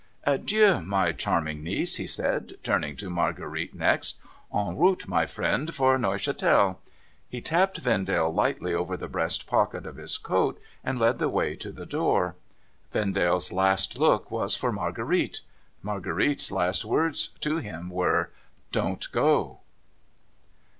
' Adieu, my charming niece !' he said, turning to Marguerite 538 NO THOROUGHFARE next. ' En route, my friend, for Neuchatel !' He tapped Vendale lightly over the breast pocket of his coat, and led the way to the door. Vendalc's last look was for Marguerite. Marguerite's last words to him were, ' Don't go